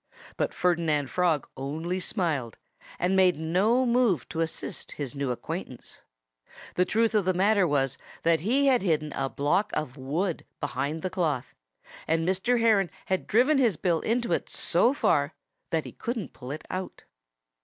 But Ferdinand Frog only smiled and made no move to assist his new acquaintance. The truth of the matter was that he had hidden a block of wood behind the cloth, and Mr. Heron had driven his bill into it so far that he couldn't pull it out.